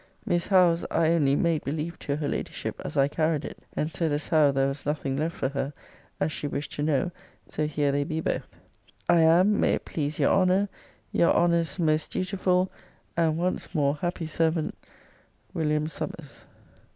Miss How's I only made belief to her ladyship as I carried it, and sed as how there was nothing left for hur, as she wished to knoe: so here they be bothe. I am, may it please your Honner, Your Honner's must dutiful, And, wonce more, happy servant, WM. SUMMERS.